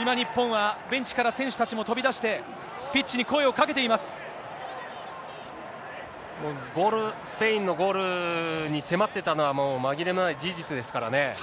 今、日本はベンチから選手たちも飛び出して、スペインのゴールに迫ってたのは、紛れもない事実ですからね。